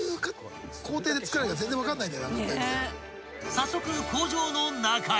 ［早速工場の中へ。